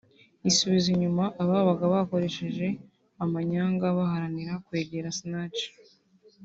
isubiza inyuma ababaga bakoresheje amanyanga baharanira kwegera Sinach